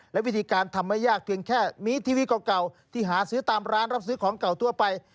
และวิธีการทำไม่ยากเพียงแค่มีทีวีเก่าที่หาซื้อตามร้านรับซื้อของเก่าทั่วไป